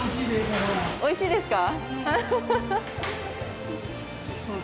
おいしいですか？